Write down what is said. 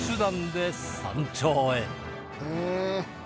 「へえ」